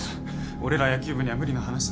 俺ら野球部には無理な話だ。